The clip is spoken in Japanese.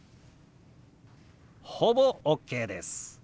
ほぼＯＫです。